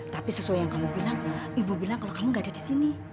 tapi sesuai yang kamu bilang ibu bilang kalau kamu gak ada di sini